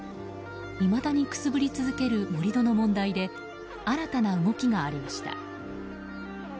いまだにくすぶり続ける盛り土の問題で新たな動きがありました。